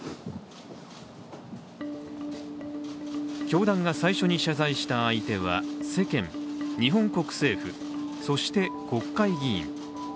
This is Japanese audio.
教団が最初に謝罪した相手は世間、日本国政府、そして国会議員。